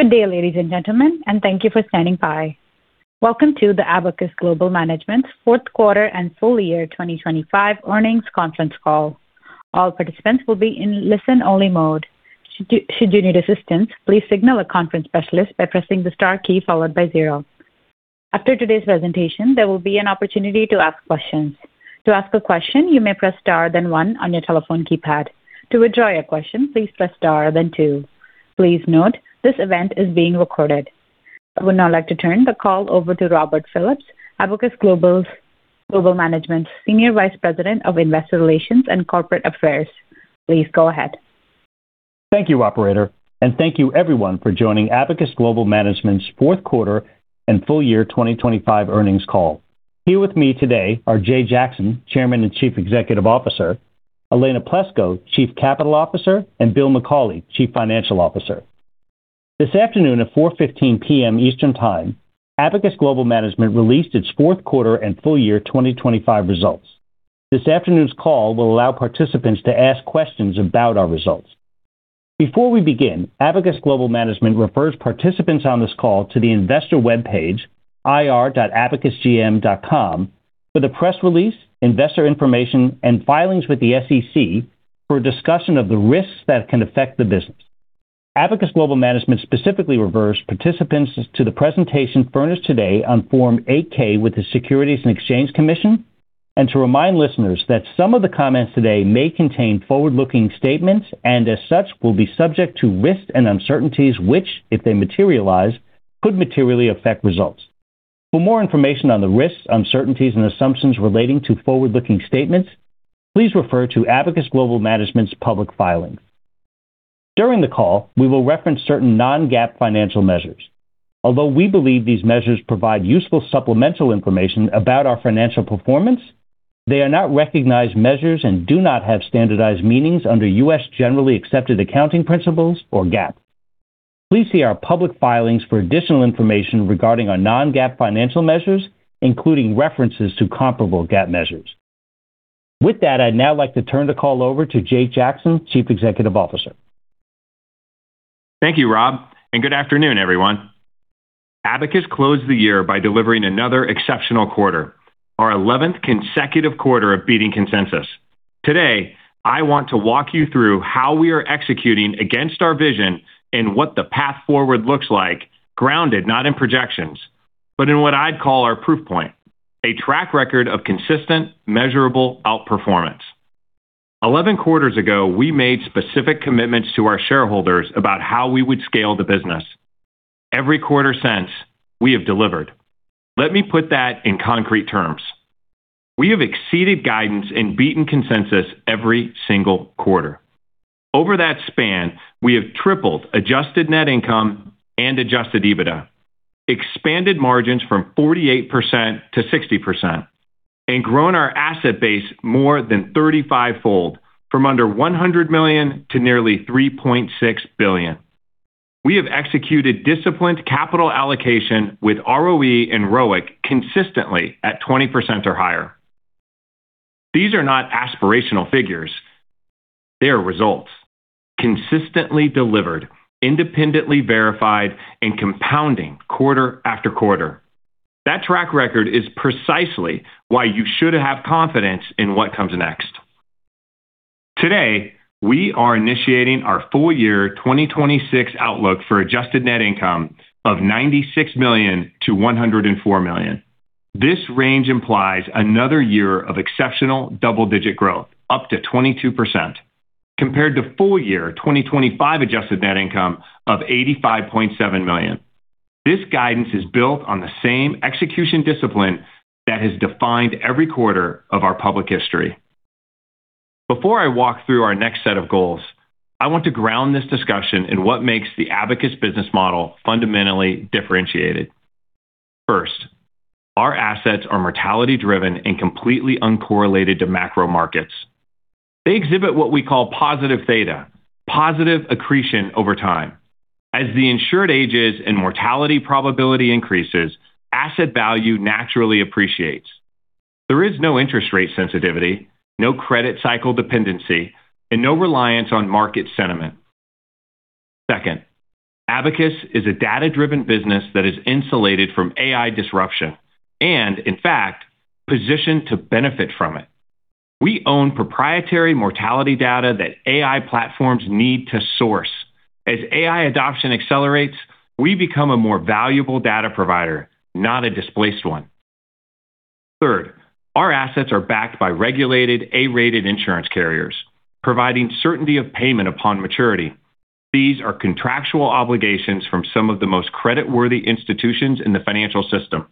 Good day, ladies and gentlemen, and thank you for standing by. Welcome to the Abacus Global Management's fourth quarter and full year 2025 earnings conference call. All participants will be in listen-only mode. Should you need assistance, please signal a conference specialist by pressing the star key followed by zero. After today's presentation, there will be an opportunity to ask questions. To ask a question, you may press star then one on your telephone keypad. To withdraw your question, please press star then two. Please note, this event is being recorded. I would now like to turn the call over to Robert Phillips, Senior Vice President of Investor Relations and Corporate Affairs, Abacus Global Management. Please go ahead. Thank you, operator. Thank you everyone for joining Abacus Global Management's fourth quarter and full year 2025 earnings call. Here with me today are Jay Jackson, Chairman and Chief Executive Officer, Elena Plesco, Chief Capital Officer, and Bill McCauley, Chief Financial Officer. This afternoon at 4:15 P.M. Eastern Time, Abacus Global Management released its fourth quarter and full year 2025 results. This afternoon's call will allow participants to ask questions about our results. Before we begin, Abacus Global Management refers participants on this call to the investor webpage ir.abacusgm.com for the press release, investor information, and filings with the SEC for a discussion of the risks that can affect the business. Abacus Global Management specifically refers participants to the presentation furnished today on Form 8-K with the Securities and Exchange Commission, and to remind listeners that some of the comments today may contain forward-looking statements, and as such, will be subject to risks and uncertainties, which, if they materialize, could materially affect results. For more information on the risks, uncertainties, and assumptions relating to forward-looking statements, please refer to Abacus Global Management's public filings. During the call, we will reference certain non-GAAP financial measures. Although we believe these measures provide useful supplemental information about our financial performance, they are not recognized measures and do not have standardized meanings under U.S. generally accepted accounting principles or GAAP. Please see our public filings for additional information regarding our non-GAAP financial measures, including references to comparable GAAP measures. With that, I'd now like to turn the call over to Jay Jackson, Chief Executive Officer. Thank you, Rob, and good afternoon, everyone. Abacus closed the year by delivering another exceptional quarter, our 11th consecutive quarter of beating consensus. Today, I want to walk you through how we are executing against our vision and what the path forward looks like, grounded not in projections, but in what I'd call our proof point, a track record of consistent measurable outperformance. 11 quarters ago, we made specific commitments to our shareholders about how we would scale the business. Every quarter since, we have delivered. Let me put that in concrete terms. We have exceeded guidance and beaten consensus every single quarter. Over that span, we have tripled adjusted net income and Adjusted EBITDA, expanded margins from 48% to 60%, and grown our asset base more than 35-fold from under $100 million to nearly $3.6 billion. We have executed disciplined capital allocation with ROE and ROIC consistently at 20% or higher. These are not aspirational figures. They are results consistently delivered, independently verified, and compounding quarter-after-quarter. That track record is precisely why you should have confidence in what comes next. Today, we are initiating our full year 2026 outlook for adjusted net income of $96 million-$104 million. This range implies another year of exceptional double-digit growth, up to 22% compared to full year 2025 adjusted net income of $85.7 million. This guidance is built on the same execution discipline that has defined every quarter of our public history. Before I walk through our next set of goals, I want to ground this discussion in what makes the Abacus business model fundamentally differentiated. First, our assets are mortality-driven and completely uncorrelated to macro markets. They exhibit what we call positive theta, positive accretion over time. As the insured ages and mortality probability increases, asset value naturally appreciates. There is no interest rate sensitivity, no credit cycle dependency, and no reliance on market sentiment. Second, Abacus is a data-driven business that is insulated from AI disruption and, in fact, positioned to benefit from it. We own proprietary mortality data that AI platforms need to source. As AI adoption accelerates, we become a more valuable data provider, not a displaced one. Third, our assets are backed by regulated A-rated insurance carriers, providing certainty of payment upon maturity. These are contractual obligations from some of the most creditworthy institutions in the financial system.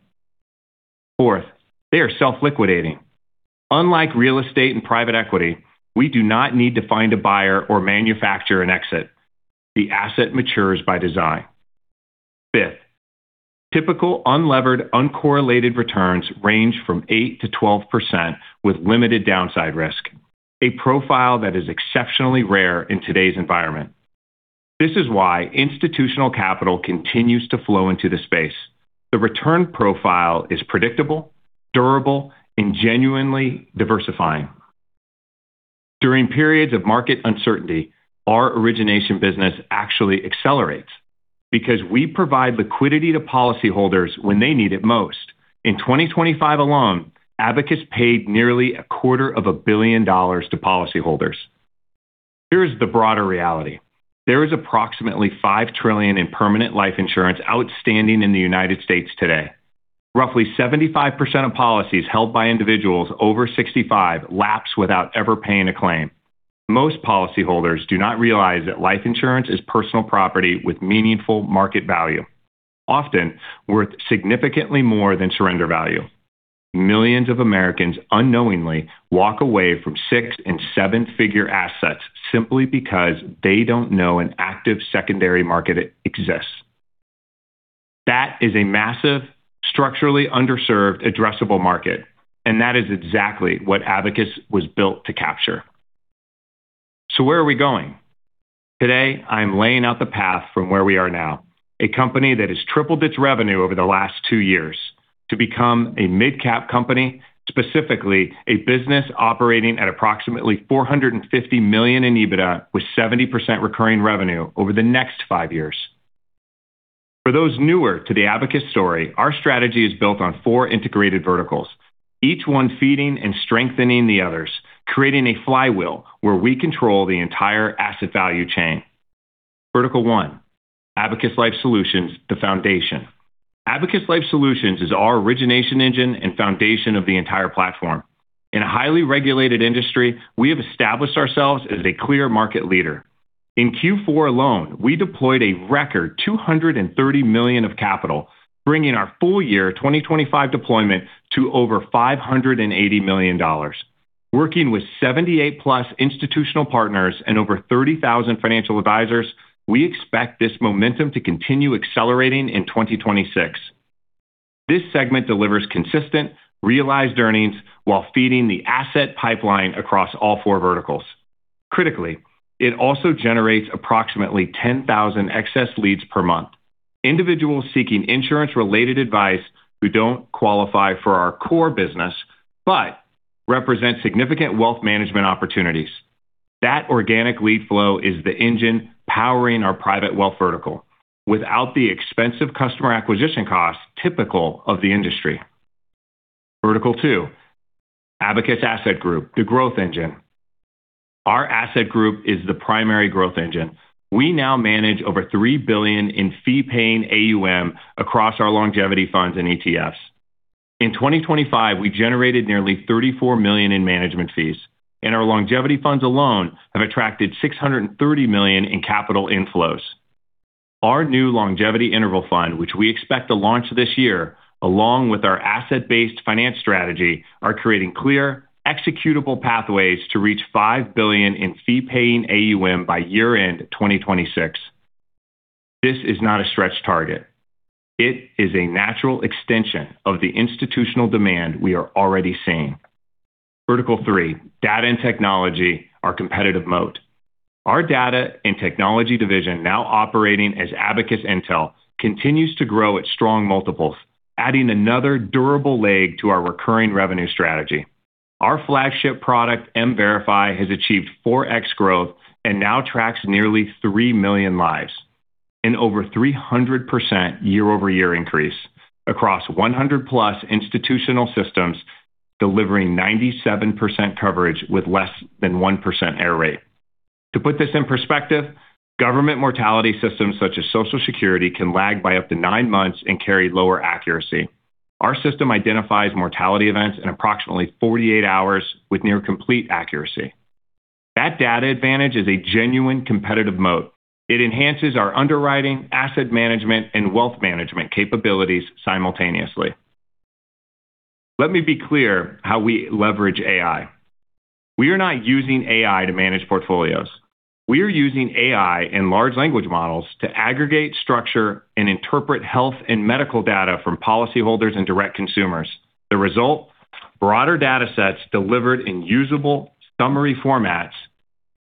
Fourth, they are self-liquidating. Unlike real estate and private equity, we do not need to find a buyer or manufacture an exit. The asset matures by design. Fifth, typical unlevered, uncorrelated returns range from 8%-12% with limited downside risk, a profile that is exceptionally rare in today's environment. This is why institutional capital continues to flow into the space. The return profile is predictable, durable, and genuinely diversifying. During periods of market uncertainty, our origination business actually accelerates because we provide liquidity to policyholders when they need it most. In 2025 alone, Abacus paid nearly a quarter of a billion dollars to policyholders. Here's the broader reality. There is approximately $5 trillion in permanent life insurance outstanding in the United States today. Roughly 75% of policies held by individuals over 65 lapse without ever paying a claim. Most policyholders do not realize that life insurance is personal property with meaningful market value, often worth significantly more than surrender value. Millions of Americans unknowingly walk away from six- and seven-figure assets simply because they don't know an active secondary market exists. That is a massive, structurally underserved addressable market, and that is exactly what Abacus was built to capture. Where are we going? Today, I'm laying out the path from where we are now, a company that has tripled its revenue over the last two years to become a midcap company, specifically a business operating at approximately $450 million in EBITDA with 70% recurring revenue over the next five years. For those newer to the Abacus story, our strategy is built on four integrated verticals, each one feeding and strengthening the others, creating a flywheel where we control the entire asset value chain. Vertical one: Abacus Life Solutions, the foundation. Abacus Life Solutions is our origination engine and foundation of the entire platform. In a highly regulated industry, we have established ourselves as a clear market leader. In Q4 alone, we deployed a record $230 million of capital, bringing our full year 2025 deployment to over $580 million. Working with 78+ institutional partners and over 30,000 financial advisors, we expect this momentum to continue accelerating in 2026. This segment delivers consistent realized earnings while feeding the asset pipeline across all four verticals. Critically, it also generates approximately 10,000 excess leads per month, individuals seeking insurance-related advice who don't qualify for our core business but represent significant Wealth Management opportunities. That organic lead flow is the engine powering our private wealth vertical without the expensive customer acquisition costs typical of the industry. Vertical two: Abacus Asset Group, the growth engine. Our asset group is the primary growth engine. We now manage over $3 billion in fee-paying AUM across our longevity funds and ETFs. In 2025, we generated nearly $34 million in management fees, and our longevity funds alone have attracted $630 million in capital inflows. Our new longevity interval fund, which we expect to launch this year, along with our asset-based finance strategy, are creating clear executable pathways to reach $5 billion in fee-paying AUM by year-end 2026. This is not a stretch target. It is a natural extension of the institutional demand we are already seeing. Vertical three: Data and technology, our competitive moat. Our data and technology division, now operating as ABL Tech, continues to grow at strong multiples, adding another durable leg to our recurring revenue strategy. Our flagship product, MVerify, has achieved 4x growth and now tracks nearly 3 million lives, an over 300% year-over-year increase across 100+ institutional systems, delivering 97% coverage with less than 1% error rate. To put this in perspective, government mortality systems such as Social Security can lag by up to nine months and carry lower accuracy. Our system identifies mortality events in approximately 48 hours with near complete accuracy. That data advantage is a genuine competitive moat. It enhances our underwriting, Asset Management, and Wealth Management capabilities simultaneously. Let me be clear how we leverage AI. We are not using AI to manage portfolios. We are using AI and large language models to aggregate, structure, and interpret health and medical data from policyholders and direct consumers. The result, broader datasets delivered in usable summary formats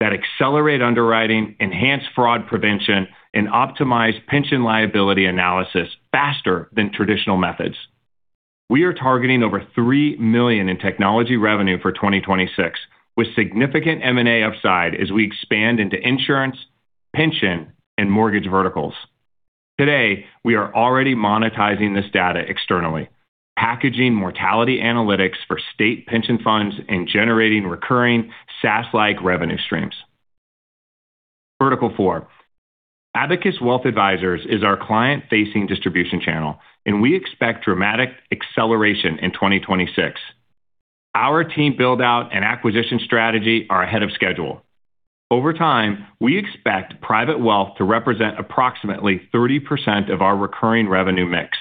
that accelerate underwriting, enhance fraud prevention, and optimize pension liability analysis faster than traditional methods. We are targeting over $3 million in technology revenue for 2026, with significant M&A upside as we expand into insurance, pension, and mortgage verticals. Today, we are already monetizing this data externally, packaging mortality analytics for state pension funds and generating recurring SaaS-like revenue streams. Vertical four: Abacus Wealth Advisors is our client-facing distribution channel, and we expect dramatic acceleration in 2026. Our team build-out and acquisition strategy are ahead of schedule. Over time, we expect private wealth to represent approximately 30% of our recurring revenue mix,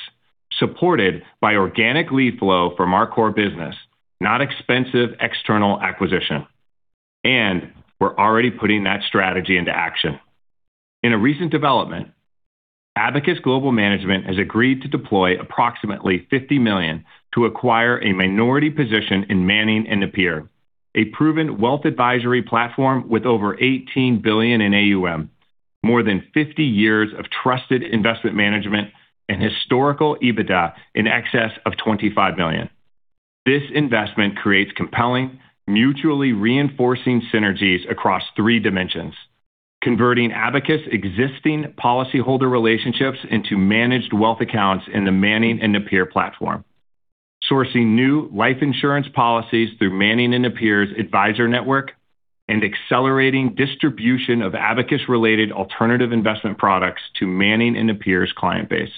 supported by organic lead flow from our core business, not expensive external acquisition. We're already putting that strategy into action. In a recent development, Abacus Global Management has agreed to deploy approximately $50 million to acquire a minority position in Manning & Napier, a proven wealth advisory platform with over $18 billion in AUM. More than 50 years of trusted investment management and historical EBITDA in excess of $25 million. This investment creates compelling, mutually reinforcing synergies across three dimensions, converting Abacus' existing policyholder relationships into managed wealth accounts in the Manning & Napier platform, sourcing new life insurance policies through Manning & Napier's advisor network, and accelerating distribution of Abacus-related alternative investment products to Manning & Napier's client base.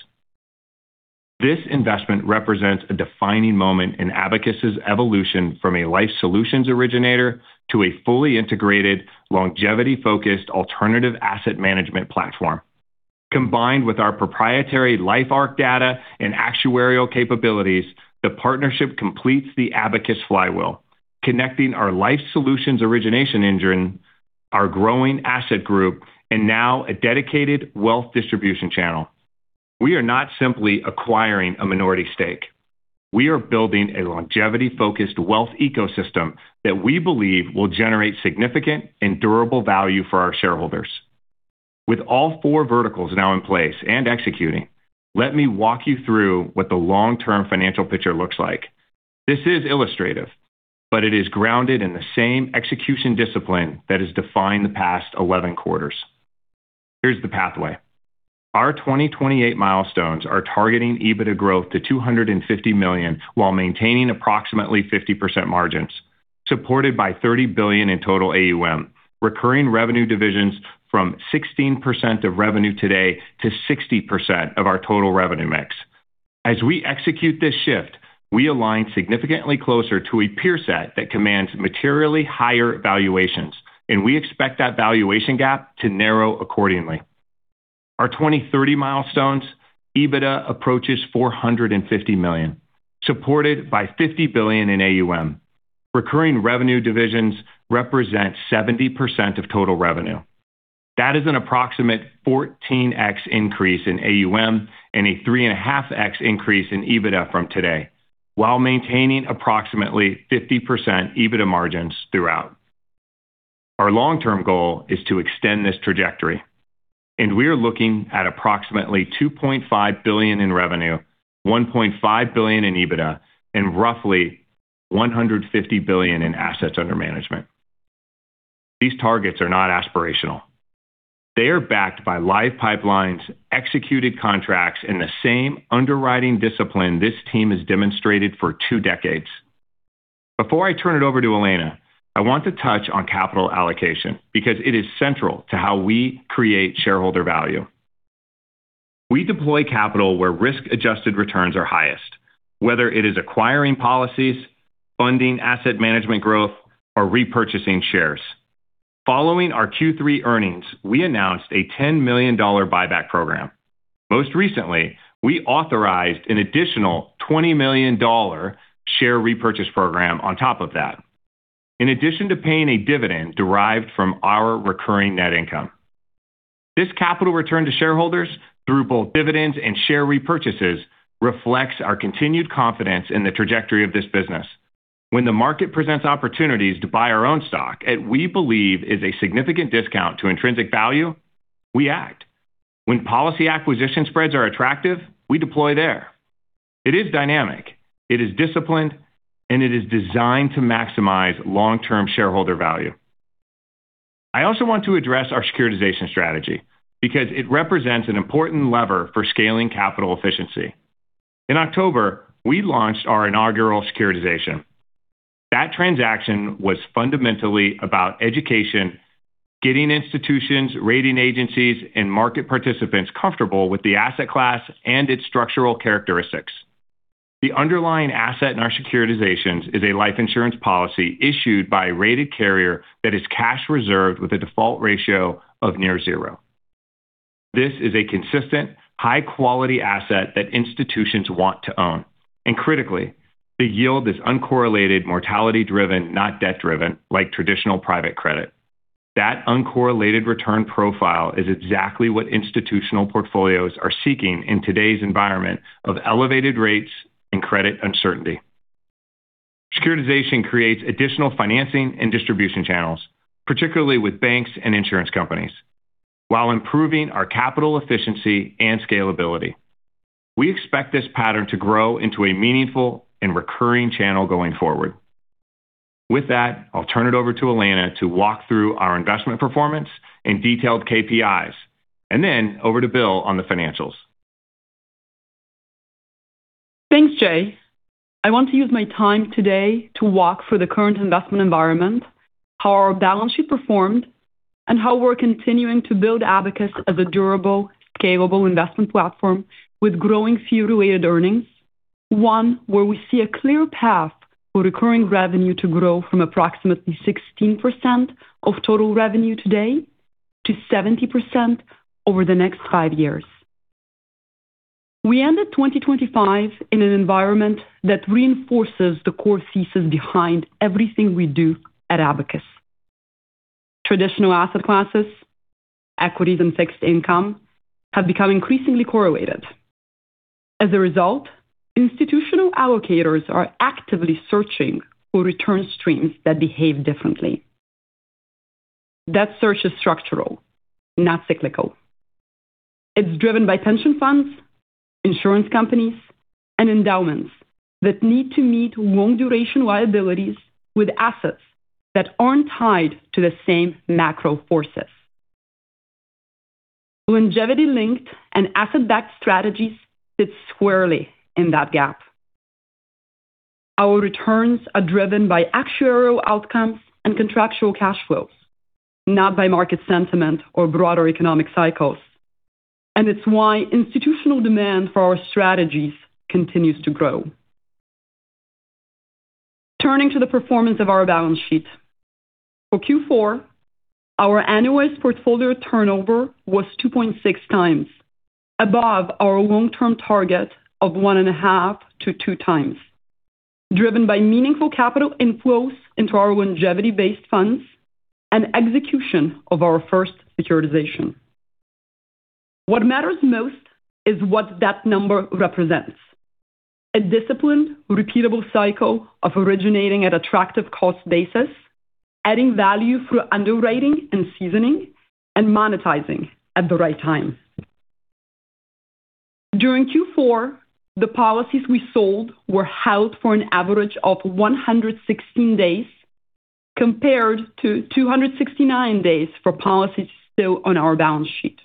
This investment represents a defining moment in Abacus' evolution from a Life Solutions originator to a fully integrated, longevity-focused alternative Asset Management platform. Combined with our proprietary LifeARC data and actuarial capabilities, the partnership completes the Abacus flywheel, connecting our Life Solutions origination engine, our growing Asset Group, and now a dedicated wealth distribution channel. We are not simply acquiring a minority stake. We are building a longevity-focused wealth ecosystem that we believe will generate significant and durable value for our shareholders. With all four verticals now in place and executing, let me walk you through what the long-term financial picture looks like. This is illustrative, but it is grounded in the same execution discipline that has defined the past 11 quarters. Here's the pathway. Our 2028 milestones are targeting EBITDA growth to $250 million while maintaining approximately 50% margins, supported by $30 billion in total AUM, recurring revenue divisions from 16% of revenue today to 60% of our total revenue mix. As we execute this shift, we align significantly closer to a peer set that commands materially higher valuations, and we expect that valuation gap to narrow accordingly. Our 2030 milestones, EBITDA approaches $450 million, supported by $50 billion in AUM. Recurring revenue divisions represent 70% of total revenue. That is an approximate 14x increase in AUM and a 3.5x increase in EBITDA from today, while maintaining approximately 50% EBITDA margins throughout. Our long-term goal is to extend this trajectory, and we are looking at approximately $2.5 billion in revenue, $1.5 billion in EBITDA, and roughly $150 billion in assets under management. These targets are not aspirational. They are backed by live pipelines, executed contracts, and the same underwriting discipline this team has demonstrated for two decades. Before I turn it over to Elena, I want to touch on capital allocation because it is central to how we create shareholder value. We deploy capital where risk-adjusted returns are highest, whether it is acquiring policies, funding Asset Management growth, or repurchasing shares. Following our Q3 earnings, we announced a $10 million buyback program. Most recently, we authorized an additional $20 million share repurchase program on top of that. In addition to paying a dividend derived from our recurring net income. This capital return to shareholders through both dividends and share repurchases reflects our continued confidence in the trajectory of this business. When the market presents opportunities to buy our own stock at what we believe is a significant discount to intrinsic value, we act. When policy acquisition spreads are attractive, we deploy there. It is dynamic, it is disciplined, and it is designed to maximize long-term shareholder value. I also want to address our securitization strategy because it represents an important lever for scaling capital efficiency. In October, we launched our inaugural securitization. That transaction was fundamentally about education, getting institutions, rating agencies, and market participants comfortable with the asset class and its structural characteristics. The underlying asset in our securitizations is a life insurance policy issued by a rated carrier that is cash reserved with a default ratio of near zero. This is a consistent, high-quality asset that institutions want to own, and critically, the yield is uncorrelated, mortality-driven, not debt-driven like traditional private credit. That uncorrelated return profile is exactly what institutional portfolios are seeking in today's environment of elevated rates and credit uncertainty. Securitization creates additional financing and distribution channels, particularly with banks and insurance companies, while improving our capital efficiency and scalability. We expect this pattern to grow into a meaningful and recurring channel going forward. With that, I'll turn it over to Elena to walk through our investment performance and detailed KPIs, and then over to Bill on the financials. Thanks, Jay. I want to use my time today to walk through the current investment environment, how our balance sheet performed, and how we're continuing to build Abacus as a durable, scalable investment platform with growing fee-related earnings, one where we see a clear path for recurring revenue to grow from approximately 16% of total revenue today to 70% over the next five years. We ended 2025 in an environment that reinforces the core thesis behind everything we do at Abacus. Traditional asset classes, equities and fixed income, have become increasingly correlated. As a result, institutional allocators are actively searching for return streams that behave differently. That search is structural, not cyclical. It's driven by pension funds, insurance companies, and endowments that need to meet long duration liabilities with assets that aren't tied to the same macro forces. Longevity-linked and asset-backed strategies fit squarely in that gap. Our returns are driven by actuarial outcomes and contractual cash flows, not by market sentiment or broader economic cycles. It's why institutional demand for our strategies continues to grow. Turning to the performance of our balance sheet. For Q4, our annualized portfolio turnover was 2.6x above our long-term target of 1.5x-2x, driven by meaningful capital inflows into our longevity-based funds and execution of our first securitization. What matters most is what that number represents. A disciplined, repeatable cycle of originating at attractive cost basis, adding value through underwriting and seasoning, and monetizing at the right time. During Q4, the policies we sold were held for an average of 116 days, compared to 269 days for policies still on our balance sheet.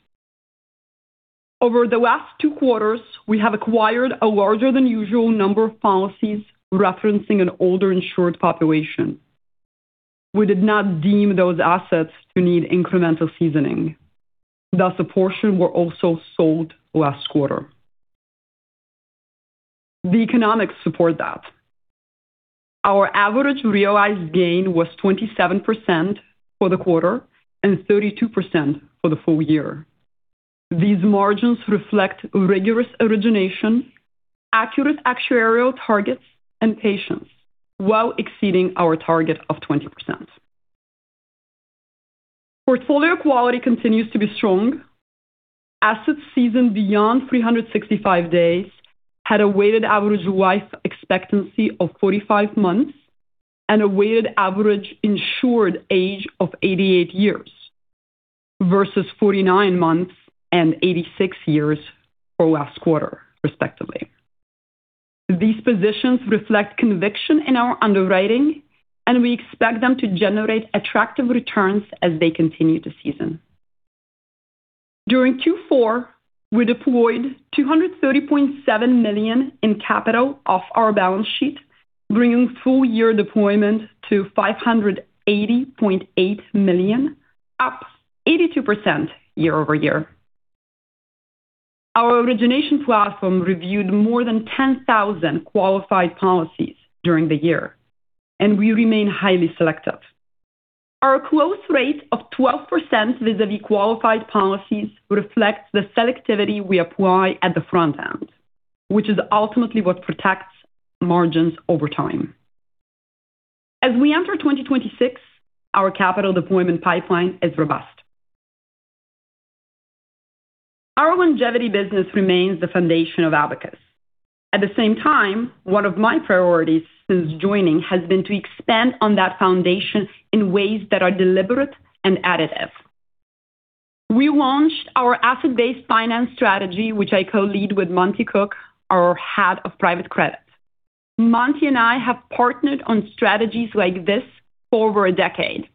Over the last two quarters, we have acquired a larger than usual number of policies referencing an older insured population. We did not deem those assets to need incremental seasoning, thus a portion were also sold last quarter. The economics support that. Our average realized gain was 27% for the quarter and 32% for the full year. These margins reflect rigorous origination, accurate actuarial targets, and patience while exceeding our target of 20%. Portfolio quality continues to be strong. Assets seasoned beyond 365 days had a weighted average life expectancy of 45 months and a weighted average insured age of 88 years versus 49 months and 86 years for last quarter, respectively. These positions reflect conviction in our underwriting, and we expect them to generate attractive returns as they continue to season. During Q4, we deployed $230.7 million in capital off our balance sheet, bringing full year deployment to $580.8 million, up 82% year-over-year. Our origination platform reviewed more than 10,000 qualified policies during the year, and we remain highly selective. Our close rate of 12% vis-a-vis qualified policies reflects the selectivity we apply at the front end, which is ultimately what protects margins over time. As we enter 2026, our capital deployment pipeline is robust. Our longevity business remains the foundation of Abacus. At the same time, one of my priorities since joining has been to expand on that foundation in ways that are deliberate and additive. We launched our asset-based finance strategy, which I co-lead with Monty Cook, our Head of Private Credit. Monty and I have partnered on strategies like this for over a decade,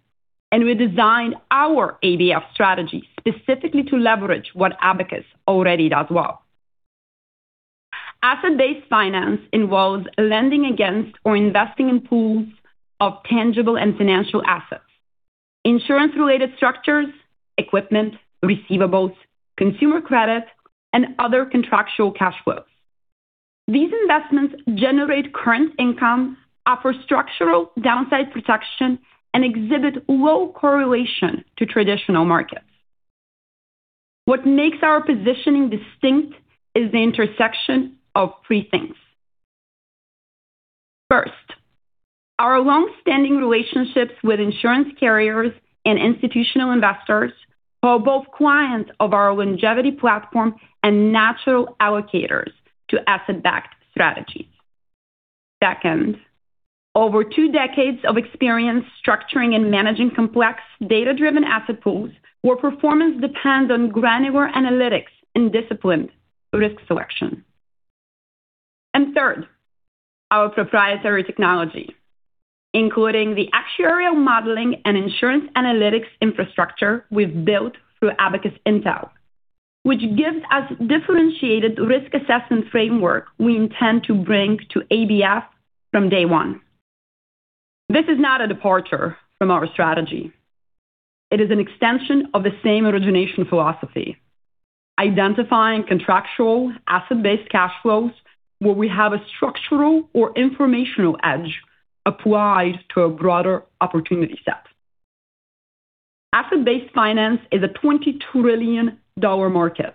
and we designed our ABF strategy specifically to leverage what Abacus already does well. Asset-based finance involves lending against or investing in pools of tangible and financial assets, insurance-related structures, equipment, receivables, consumer credit, and other contractual cash flows. These investments generate current income, offer structural downside protection, and exhibit low correlation to traditional markets. What makes our positioning distinct is the intersection of three things. First, our long-standing relationships with insurance carriers and institutional investors who are both clients of our longevity platform and natural allocators to asset-backed strategies. Second, over two decades of experience structuring and managing complex data-driven asset pools where performance depends on granular analytics and disciplined risk selection. Third, our proprietary technology, including the actuarial modeling and insurance analytics infrastructure we've built through ABL Tech, which gives us differentiated risk assessment framework we intend to bring to ABF from day one. This is not a departure from our strategy. It is an extension of the same origination philosophy, identifying contractual asset-based cash flows, where we have a structural or informational edge applied to a broader opportunity set. Asset-based finance is a $20 trillion market,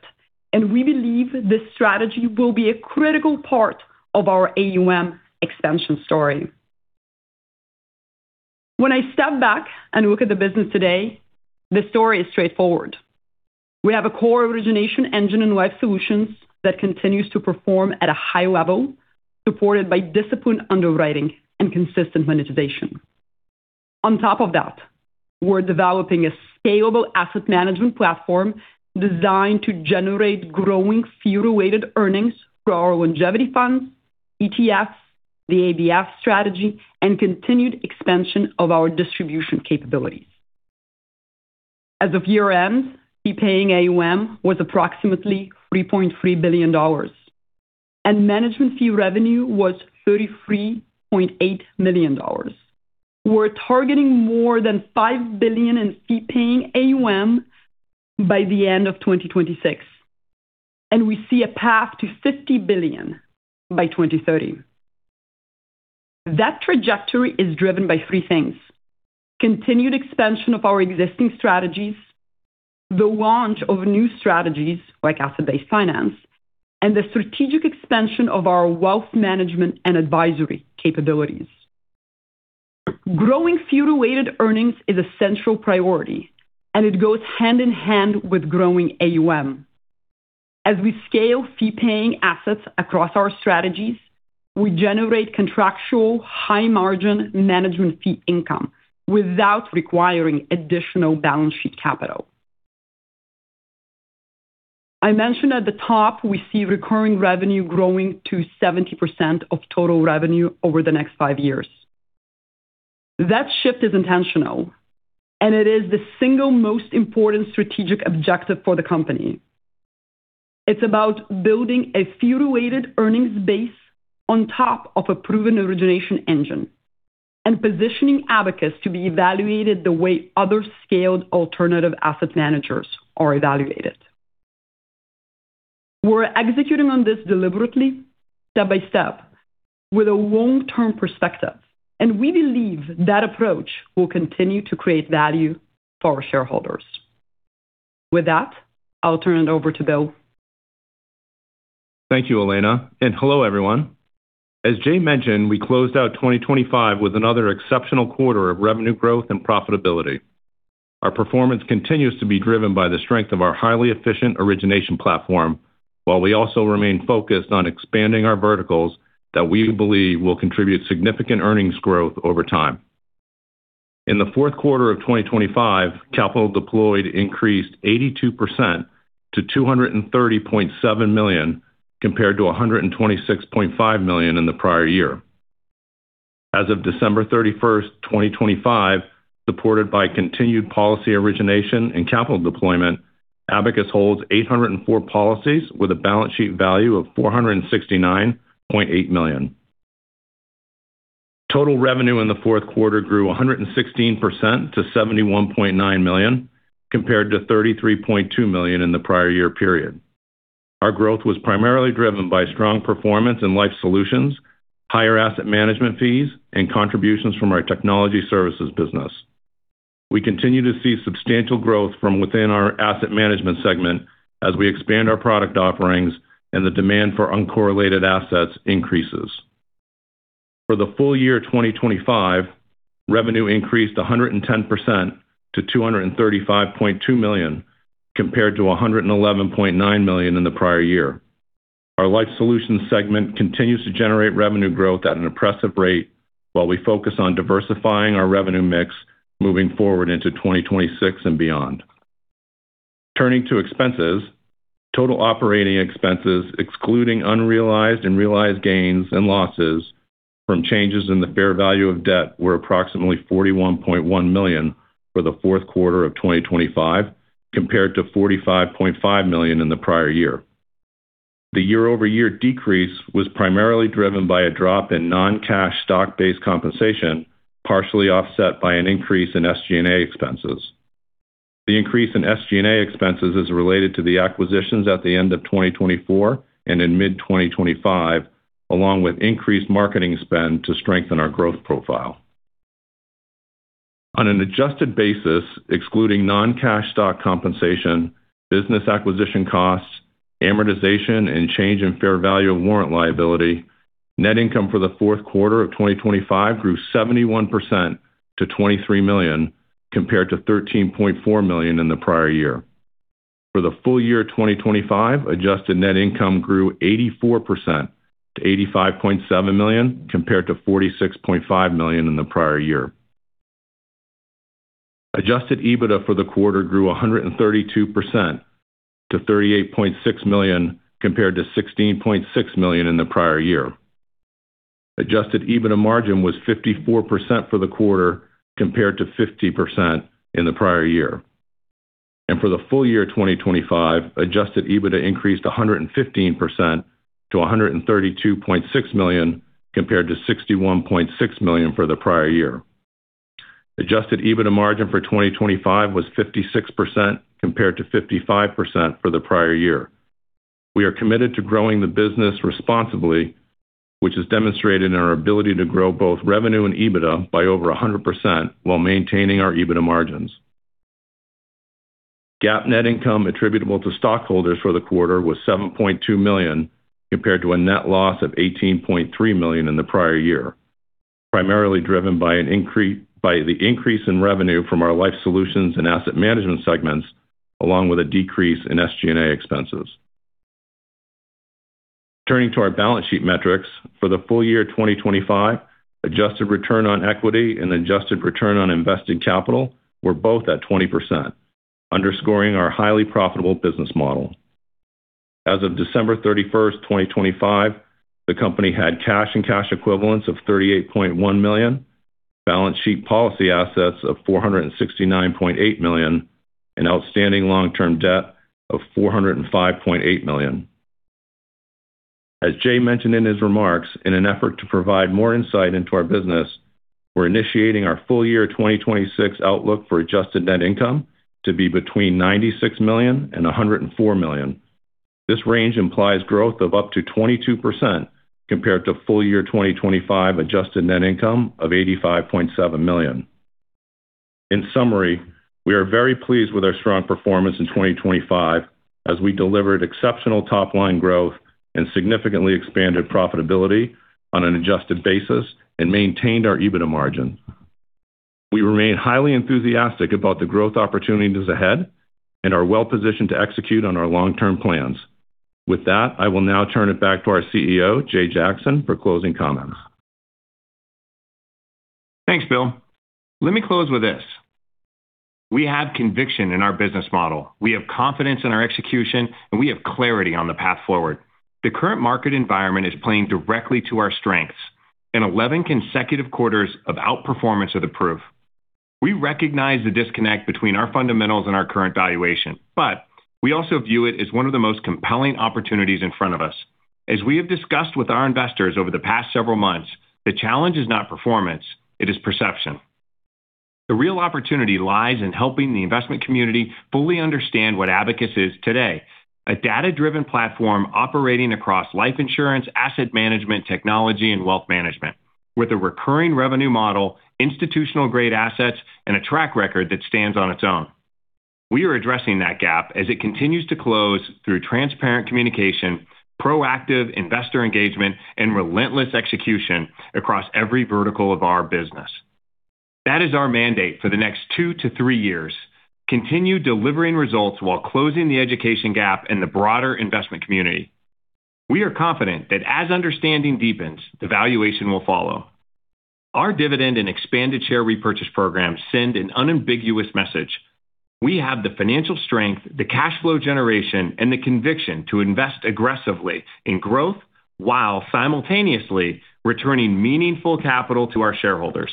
and we believe this strategy will be a critical part of our AUM expansion story. When I step back and look at the business today, the story is straightforward. We have a core origination engine in Life Solutions that continues to perform at a high level, supported by disciplined underwriting and consistent monetization. On top of that, we're developing a scalable Asset Management platform designed to generate growing fee-related earnings for our longevity funds, ETFs, the ABF strategy, and continued expansion of our distribution capabilities. As of year-end, fee-paying AUM was approximately $3.3 billion, and management fee revenue was $33.8 million. We're targeting more than $5 billion in fee-paying AUM by the end of 2026, and we see a path to $50 billion by 2030. That trajectory is driven by three things, continued expansion of our existing strategies, the launch of new strategies like asset-based finance, and the strategic expansion of our Wealth Management and advisory capabilities. Growing fee-related earnings is a central priority, and it goes hand in hand with growing AUM. As we scale fee-paying assets across our strategies, we generate contractual high-margin management fee income without requiring additional balance sheet capital. I mentioned at the top we see recurring revenue growing to 70% of total revenue over the next five years. That shift is intentional, and it is the single most important strategic objective for the company. It's about building a fee-related earnings base on top of a proven origination engine and positioning Abacus to be evaluated the way other scaled alternative asset managers are evaluated. We're executing on this deliberately, step by step, with a long-term perspective, and we believe that approach will continue to create value for our shareholders. With that, I'll turn it over to Bill. Thank you, Elena, and hello, everyone. As Jay mentioned, we closed out 2025 with another exceptional quarter of revenue growth and profitability. Our performance continues to be driven by the strength of our highly efficient origination platform, while we also remain focused on expanding our verticals that we believe will contribute significant earnings growth over time. In the fourth quarter of 2025, capital deployed increased 82% to $230.7 million, compared to $126.5 million in the prior year. As of December 31st, 2025, supported by continued policy origination and capital deployment, Abacus holds 804 policies with a balance sheet value of $469.8 million. Total revenue in the fourth quarter grew 116% to $71.9 million, compared to $33.2 million in the prior year period. Our growth was primarily driven by strong performance in Life Solutions, higher Asset Management fees, and contributions from our technology services business. We continue to see substantial growth from within our Asset Management segment as we expand our product offerings and the demand for uncorrelated assets increases. For the full year 2025, revenue increased 110% to $235.2 million, compared to $111.9 million in the prior year. Our Life Solutions segment continues to generate revenue growth at an impressive rate while we focus on diversifying our revenue mix moving forward into 2026 and beyond. Turning to expenses, total operating expenses, excluding unrealized and realized gains and losses from changes in the fair value of debt, were approximately $41.1 million for the fourth quarter of 2025, compared to $45.5 million in the prior year. The year-over-year decrease was primarily driven by a drop in non-cash stock-based compensation, partially offset by an increase in SG&A expenses. The increase in SG&A expenses is related to the acquisitions at the end of 2024 and in mid-2025, along with increased marketing spend to strengthen our growth profile. On an adjusted basis, excluding non-cash stock compensation, business acquisition costs, amortization, and change in fair value of warrant liability, net income for the fourth quarter of 2025 grew 71% to $23 million, compared to $13.4 million in the prior year. For the full year 2025, adjusted net income grew 84% to $85.7 million, compared to $46.5 million in the prior year. Adjusted EBITDA for the quarter grew 132% to $38.6 million, compared to $16.6 million in the prior year. Adjusted EBITDA margin was 54% for the quarter, compared to 50% in the prior year. For the full year 2025, Adjusted EBITDA increased 115% to $132.6 million, compared to $61.6 million for the prior year. Adjusted EBITDA margin for 2025 was 56%, compared to 55% for the prior year. We are committed to growing the business responsibly, which is demonstrated in our ability to grow both revenue and EBITDA by over 100% while maintaining our EBITDA margins. GAAP net income attributable to stockholders for the quarter was $7.2 million, compared to a net loss of $18.3 million in the prior year, primarily driven by the increase in revenue from our Life Solutions and Asset Management segments, along with a decrease in SG&A expenses. Turning to our balance sheet metrics. For the full year 2025, adjusted return on equity and adjusted return on invested capital were both at 20%, underscoring our highly profitable business model. As of December 31st, 2025, the company had cash and cash equivalents of $38.1 million, balance sheet policy assets of $469.8 million, and outstanding long-term debt of $405.8 million. As Jay mentioned in his remarks, in an effort to provide more insight into our business, we're initiating our full year 2026 outlook for adjusted net income to be between $96 million and $104 million. This range implies growth of up to 22% compared to full year 2025 adjusted net income of $85.7 million. In summary, we are very pleased with our strong performance in 2025 as we delivered exceptional top-line growth and significantly expanded profitability on an adjusted basis and maintained our EBITDA margin. We remain highly enthusiastic about the growth opportunities ahead and are well-positioned to execute on our long-term plans. With that, I will now turn it back to our CEO, Jay Jackson, for closing comments. Thanks, Bill. Let me close with this. We have conviction in our business model. We have confidence in our execution, and we have clarity on the path forward. The current market environment is playing directly to our strengths, and 11 consecutive quarters of outperformance are the proof. We recognize the disconnect between our fundamentals and our current valuation, but we also view it as one of the most compelling opportunities in front of us. As we have discussed with our investors over the past several months, the challenge is not performance, it is perception. The real opportunity lies in helping the investment community fully understand what Abacus is today. A data-driven platform operating across life insurance, asset management, technology, and wealth management with a recurring revenue model, institutional-grade assets, and a track record that stands on its own. We are addressing that gap as it continues to close through transparent communication, proactive investor engagement, and relentless execution across every vertical of our business. That is our mandate for the next two-three years. Continue delivering results while closing the education gap in the broader investment community. We are confident that as understanding deepens, the valuation will follow. Our dividend and expanded share repurchase program send an unambiguous message. We have the financial strength, the cash flow generation, and the conviction to invest aggressively in growth while simultaneously returning meaningful capital to our shareholders.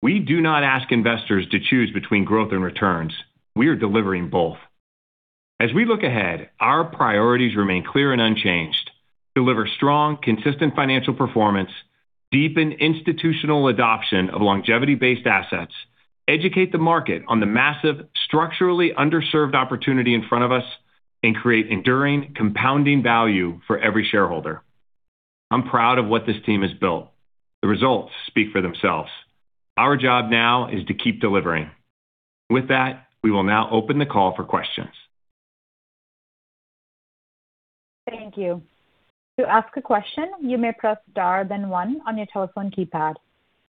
We do not ask investors to choose between growth and returns. We are delivering both. As we look ahead, our priorities remain clear and unchanged. Deliver strong, consistent financial performance, deepen institutional adoption of longevity-based assets, educate the market on the massive, structurally underserved opportunity in front of us, and create enduring compounding value for every shareholder. I'm proud of what this team has built. The results speak for themselves. Our job now is to keep delivering. With that, we will now open the call for questions. Thank you. To ask a question, you may press star then one on your telephone keypad.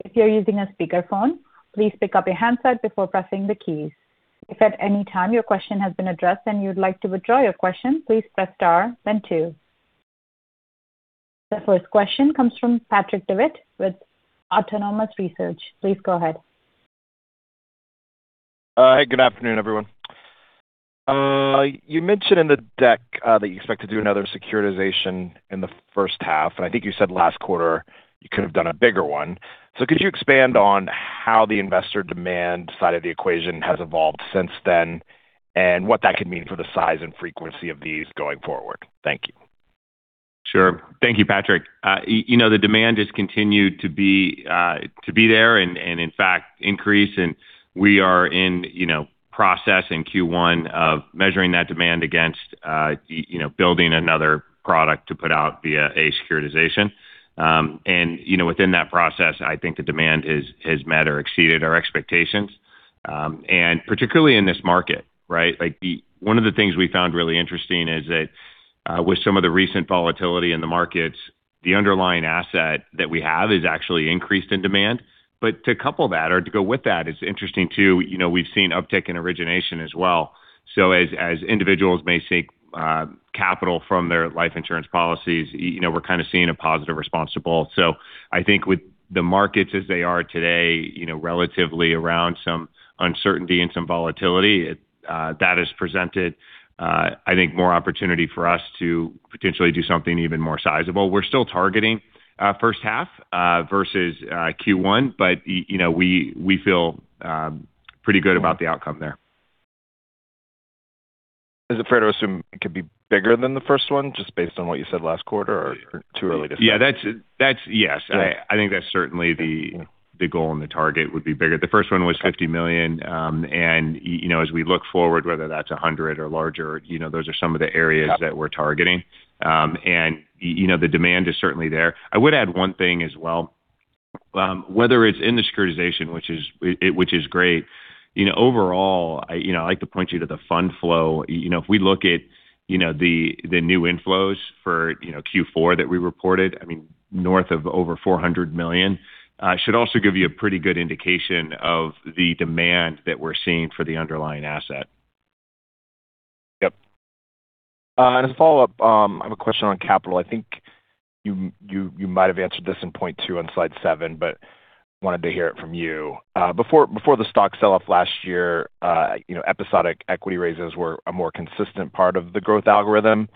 If you're using a speakerphone, please pick up your handset before pressing the keys. If at any time your question has been addressed and you'd like to withdraw your question, please press star then two. The first question comes from Patrick Davitt with Autonomous Research. Please go ahead. Good afternoon, everyone. You mentioned in the deck that you expect to do another securitization in the first half, and I think you said last quarter you could have done a bigger one. Could you expand on how the investor demand side of the equation has evolved since then, and what that could mean for the size and frequency of these going forward? Thank you. Sure. Thank you, Patrick. You know, the demand has continued to be there and, in fact, increase. We are in process in Q1 of measuring that demand against building another product to put out via a securitization. You know, within that process, I think the demand has met or exceeded our expectations, and particularly in this market, right? Like, one of the things we found really interesting is that with some of the recent volatility in the markets, the underlying asset that we have is actually increased in demand. To couple that or to go with that is interesting too. You know, we've seen uptick in origination as well. As individuals may seek capital from their life insurance policies, you know, we're kind of seeing a positive response. I think with the markets as they are today, you know, relatively around some uncertainty and some volatility, that has presented, I think more opportunity for us to potentially do something even more sizable. We're still targeting first half versus Q1, but you know, we feel pretty good about the outcome there. Is it fair to assume it could be bigger than the first one, just based on what you said last quarter or too early to say? Yeah, that's. Yes. Yeah. I think that's certainly the goal and the target would be bigger. The first one was $50 million. You know, as we look forward, whether that's $100 million or larger, you know, those are some of the areas that we're targeting. You know, the demand is certainly there. I would add one thing as well. Whether it's in the securitization, which is great, you know, overall, you know, I like to point you to the fund flow. You know, if we look at the new inflows for Q4 that we reported, I mean, north of over $400 million should also give you a pretty good indication of the demand that we're seeing for the underlying asset. Yep. As a follow-up, I have a question on capital. I think you might have answered this in point two on slide seven, but wanted to hear it from you. Before the stock sell-off last year, you know, episodic equity raises were a more consistent part of the growth algorithm.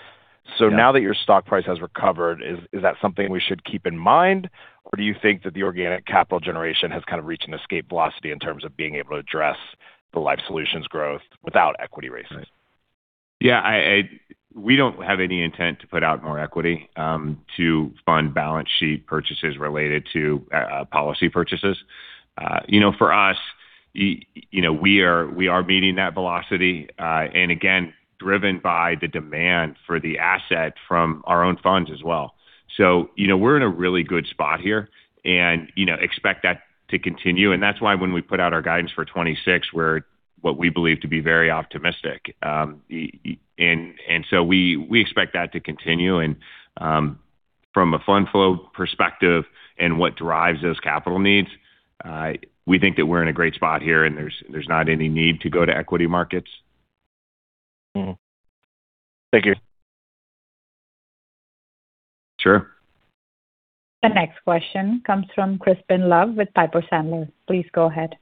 Yeah. Now that your stock price has recovered, is that something we should keep in mind, or do you think that the organic capital generation has kind of reached an escape velocity in terms of being able to address the Life Solutions growth without equity raises? Yeah. We don't have any intent to put out more equity to fund balance sheet purchases related to policy purchases. You know, for us, you know, we are meeting that velocity and again, driven by the demand for the asset from our own funds as well. You know, we're in a really good spot here and, you know, expect that to continue. That's why when we put out our guidance for 2026, we're what we believe to be very optimistic. We expect that to continue. From a fund flow perspective and what drives those capital needs, we think that we're in a great spot here, and there's not any need to go to equity markets. Mm-hmm. Thank you. Sure. The next question comes from Crispin Love with Piper Sandler. Please go ahead.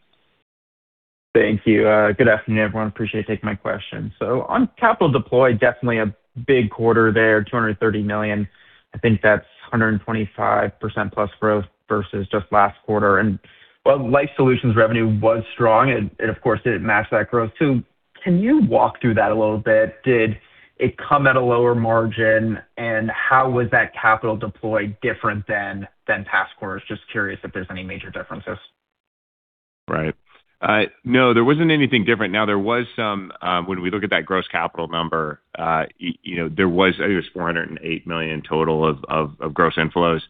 Thank you. Good afternoon, everyone. Appreciate you taking my question. On capital deployed, definitely a big quarter there, $230 million. I think that's 125%+ growth versus just last quarter. While Life Solutions revenue was strong, it of course didn't match that growth too. Can you walk through that a little bit? Did it come at a lower margin, and how was that capital deployed different than past quarters? Just curious if there's any major differences. Right. No, there wasn't anything different. Now, there was some. When we look at that gross capital number, you know, there was, I think it was $408 million total of gross inflows.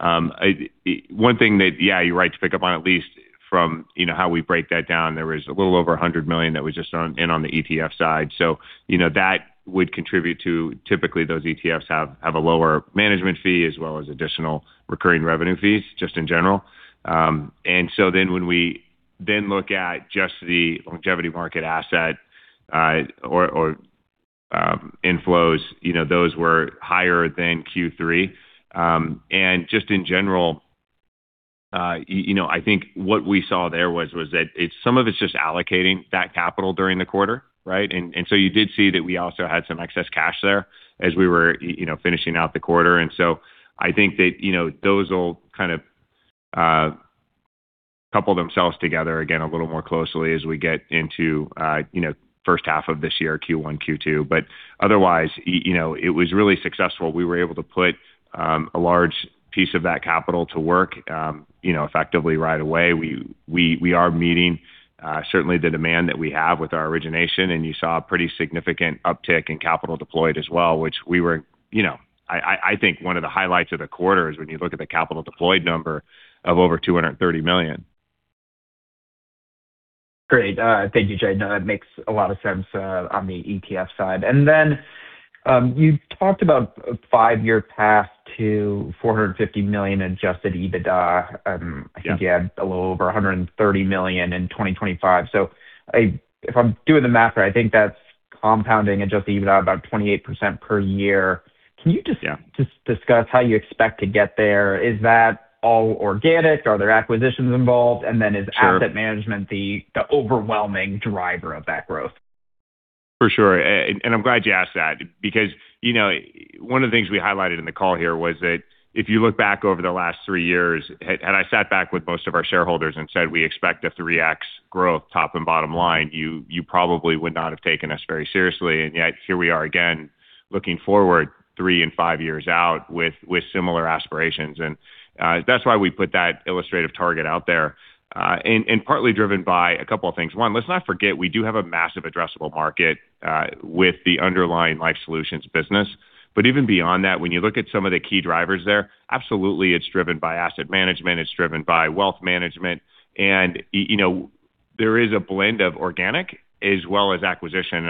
One thing that, yeah, you're right to pick up on, at least from, you know, how we break that down, there was a little over $100 million that was just on the ETF side. You know, that would contribute to typically those ETFs have a lower management fee as well as additional recurring revenue fees just in general. When we look at just the longevity market asset inflows, you know, those were higher than Q3. Just in general, you know, I think what we saw there was that some of it's just allocating that capital during the quarter, right? So you did see that we also had some excess cash there as we were you know, finishing out the quarter. So I think that, you know, those will kind of couple themselves together again a little more closely as we get into you know, first half of this year, Q1, Q2. But otherwise, you know, it was really successful. We were able to put a large piece of that capital to work, you know, effectively right away. We are meeting certainly the demand that we have with our origination, and you saw a pretty significant uptick in capital deployed as well, which we were. I think one of the highlights of the quarter is when you look at the capital deployed number of over $230 million. Great. Thank you, Jay. No, it makes a lot of sense on the ETF side. You talked about a five-year path to $450 million Adjusted EBITDA. Yeah. I think you had a little over $130 million in 2025. If I'm doing the math right, I think that's compounding Adjusted EBITDA about 28% per year. Can you just- Yeah. Just discuss how you expect to get there? Is that all organic? Are there acquisitions involved? Sure. Is Asset Management the overwhelming driver of that growth? For sure. And I'm glad you asked that because, you know, one of the things we highlighted in the call here was that if you look back over the last three years, had I sat back with most of our shareholders and said, we expect a 3x growth, top and bottom line, you probably would not have taken us very seriously. And yet, here we are again looking forward three and five years out with similar aspirations. And that's why we put that illustrative target out there, and partly driven by a couple of things. One, let's not forget we do have a massive addressable market with the underlying Life Solutions business. But even beyond that, when you look at some of the key drivers there, absolutely it's driven by Asset Management, it's driven by Wealth Management. You know, there is a blend of organic as well as acquisition.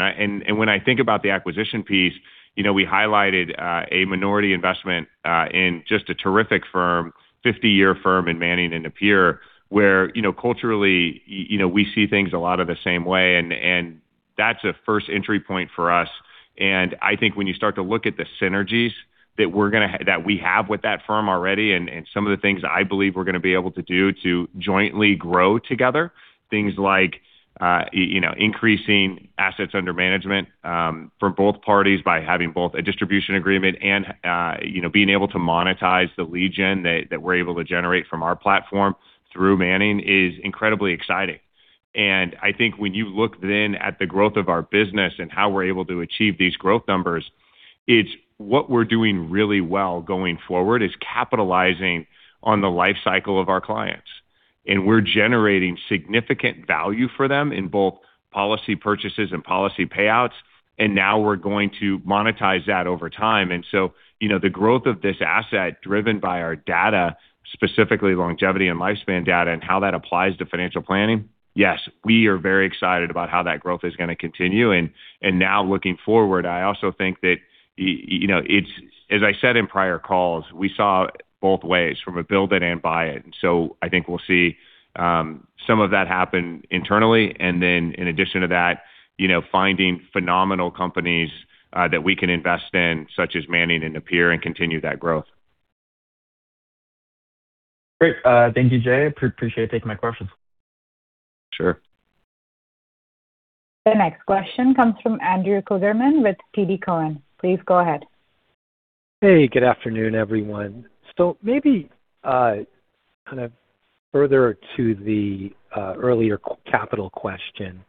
When I think about the acquisition piece, you know, we highlighted a minority investment in just a terrific firm, 50-year firm in Manning & Napier, where, you know, culturally, you know, we see things a lot of the same way, and that's a first entry point for us. I think when you start to look at the synergies that we're gonna have with that firm already and some of the things I believe we're gonna be able to do to jointly grow together, things like, you know, increasing assets under management for both parties by having both a distribution agreement and, you know, being able to monetize the lead gen that we're able to generate from our platform through Manning & Napier is incredibly exciting. I think when you look then at the growth of our business and how we're able to achieve these growth numbers, it's what we're doing really well going forward is capitalizing on the life cycle of our clients. We're generating significant value for them in both policy purchases and policy payouts, and now we're going to monetize that over time. You know, the growth of this asset driven by our data, specifically longevity and lifespan data and how that applies to financial planning. Yes, we are very excited about how that growth is gonna continue. Now looking forward, I also think that you know, it's as I said in prior calls, we saw both ways from a build it and buy it. I think we'll see some of that happen internally. Then in addition to that, you know, finding phenomenal companies that we can invest in, such as Manning & Napier, and continue that growth. Great. Thank you, Jay. Appreciate you taking my questions. Sure. The next question comes from Andrew Kligerman with TD Cowen. Please go ahead. Hey, good afternoon, everyone. Maybe kind of further to the earlier capital question.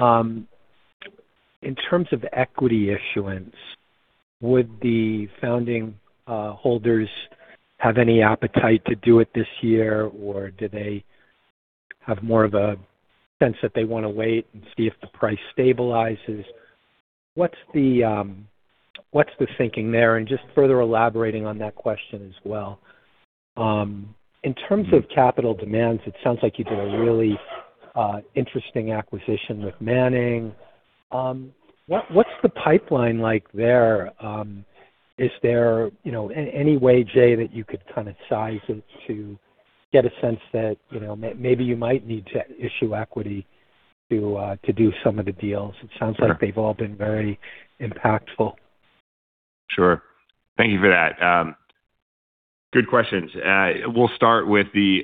In terms of equity issuance, would the founding holders have any appetite to do it this year, or do they have more of a sense that they wanna wait and see if the price stabilizes? What's the thinking there? Just further elaborating on that question as well. In terms of capital demands, it sounds like you did a really interesting acquisition with Manning & Napier. What's the pipeline like there? Is there, you know, any way, Jay, that you could kinda size it to get a sense that, you know, maybe you might need to issue equity to do some of the deals? Sure. It sounds like they've all been very impactful. Sure. Thank you for that. Good questions. We'll start with the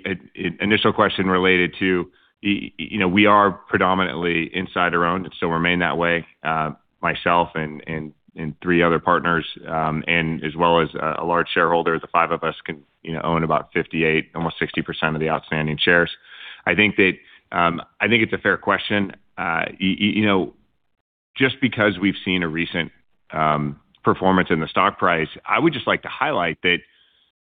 initial question related to, you know, we are predominantly insider-owned, and still remain that way. Myself and three other partners, and as well as a large shareholder, the five of us can, you know, own about 58%, almost 60% of the outstanding shares. I think that, I think it's a fair question. You know, just because we've seen a recent performance in the stock price, I would just like to highlight that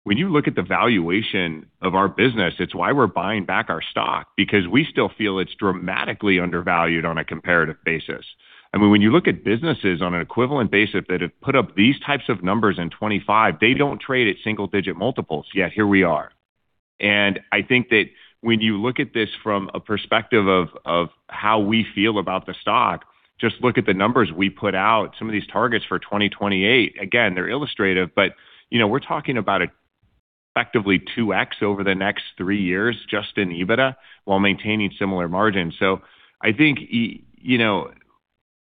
when you look at the valuation of our business, it's why we're buying back our stock, because we still feel it's dramatically undervalued on a comparative basis. I mean, when you look at businesses on an equivalent basis that have put up these types of numbers in 2025, they don't trade at single-digit multiples, yet here we are. I think that when you look at this from a perspective of how we feel about the stock, just look at the numbers we put out, some of these targets for 2028. Again, they're illustrative, but you know, we're talking about effectively 2x over the next three years just in EBITDA while maintaining similar margins. I think you know,